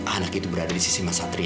anak itu berada di sisi mas satria